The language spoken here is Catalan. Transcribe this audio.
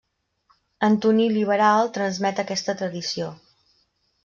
Antoní Liberal transmet aquesta tradició.